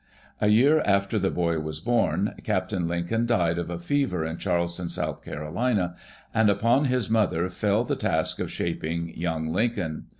A year after the boy was born, Captain Lincoln died of a fever in Charleston, South Carolina, and upon his mother fell the task of shaping young Lincoln.